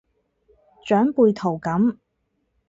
長輩圖噉